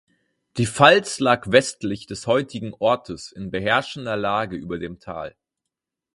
Die Pfalz lag westlich des heutigen Ortes in beherrschender Lage über dem Tal.